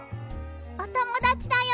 おともだちだよ。